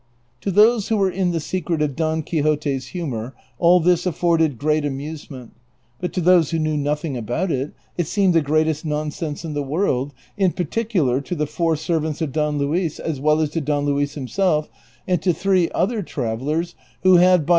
To those who were in the secret of Don Quixote's humor all this afforded great amusement ; but to those who knew noth ing about it, it seemed the greatest nonsense in the world, in particular to the four servants of Don Luis, as well as to Don Luis himself, and to three other travellers who had by Vol..